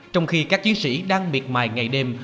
trong khi các chiến sĩ đang miệt mài ngày đêm